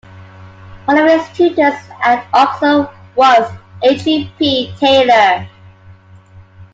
One of his tutors at Oxford was A. J. P. Taylor.